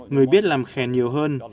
người biết làm khen nhiều hơn